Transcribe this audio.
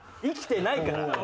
生きてないから。